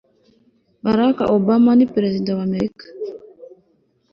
barack obama ni perezida wa amerika